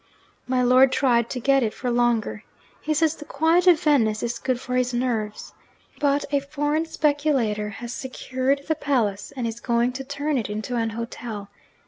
My lord tried to get it for longer; he says the quiet of Venice is good for his nerves. But a foreign speculator has secured the palace, and is going to turn it into an hotel.